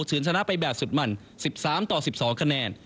ชนะไปแบบสุดมัน๑๓ต่อ๑๒คะแนน